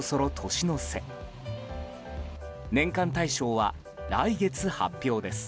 年間大賞は来月発表です。